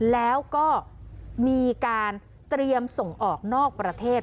แล้วก็มีการเตรียมส่งออกนอกประเทศ